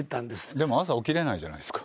でも朝起きれないじゃないですか。